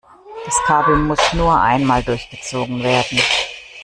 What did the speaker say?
Das Kabel muss nur einmal durchgezogen werden.